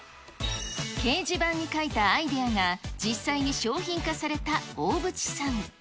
掲示板に書いたアイデアが実際に商品化されたおおぶちさん。